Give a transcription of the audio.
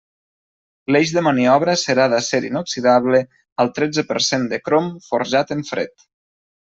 L'eix de maniobra serà d'acer inoxidable al tretze per cent de crom, forjat en fred.